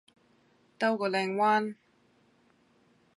兜個靚彎